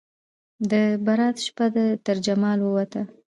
د برات شپه ده ترجمال ووته